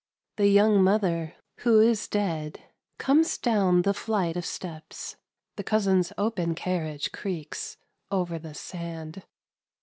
— The young mother who is dead, comes down the flight of steps. The cousin's open carriage creaks over the sand.